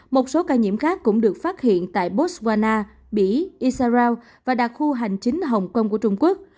một số ca nhiễm khác cũng được phát hiện tại botswillana bỉ israel và đặc khu hành chính hồng kông của trung quốc